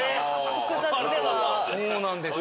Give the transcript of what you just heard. そうなんですよ。